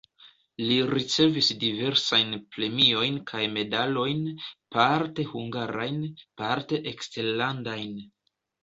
Li ricevis diversajn premiojn kaj medalojn parte hungarajn, parte eksterlandajn.